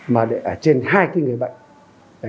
mà ở trên hai cái người bệnh